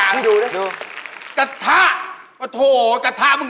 พี่เดียวก่อน